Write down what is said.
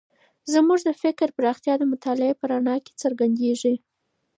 زموږ د فکر پراختیا د مطالعې په رڼا کې څرګندېږي.